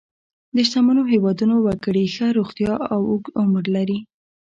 د شتمنو هېوادونو وګړي ښه روغتیا او اوږد عمر لري.